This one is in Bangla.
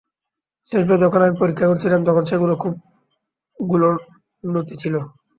শেষবার যখন আমি পরীক্ষা করেছিলাম তখন সেগুলো খুব গুলো নথি ছিল।